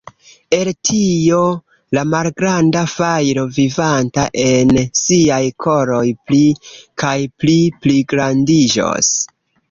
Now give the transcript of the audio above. El tio, la malgranda fajro vivanta en siaj koroj pli kaj pli pligrandiĝos.